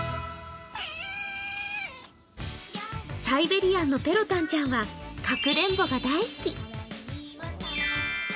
サイベリアンのペロタンちゃんはかくれんぼが大好き。